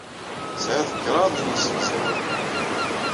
Tesɛiḍ kraḍ n yisegzawalen.